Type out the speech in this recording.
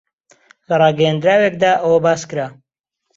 لە ڕاگەیەندراوێکدا ئەوە باس کرا